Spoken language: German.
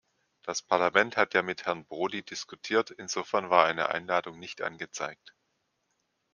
Das Parlament hat ja mit Herrn Prodi diskutiert, insofern war eine Einladung nicht angezeigt.